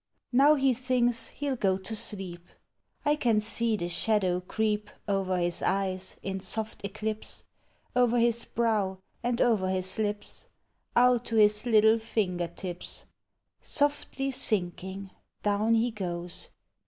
Now he thinks he Ml go to sleep! I can see the shadow creep Over his eyes, in soft eclipse. Over his brow and over his lips, Out to his little finger tips! Softly sinking, down he goes!